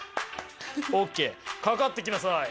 オッケーかかってきなさい！